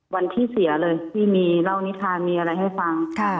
วันที่เสียเลยที่มีเล่านิทานมีอะไรให้ฟัง